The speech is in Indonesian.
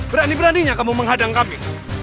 berani beraninya kamu menghadang kami